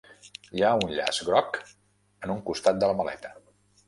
Hi ha un llaç groc en un costat de la maleta.